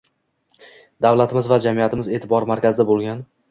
Davlatimiz va jamiyatimiz eʼtibori markazida boʻlgan